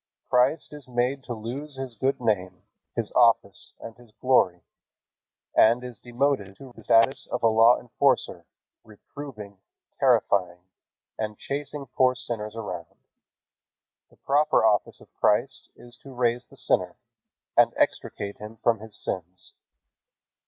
Christ is made to lose His good name, His office, and His glory, and is demoted to the status of a law enforcer, reproving, terrifying, and chasing poor sinners around. The proper office of Christ is to raise the sinner, and extricate him from his sins.